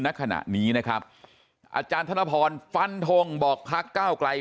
ณขณะนี้นะครับอาจารย์ธนพรฟันทงบอกพักก้าวไกล